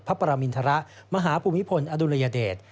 พระปรมินทรมาหาภูมิพลอดุลยเดช